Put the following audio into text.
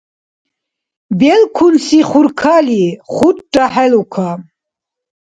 Белкунси хуркали хурра хӀелука.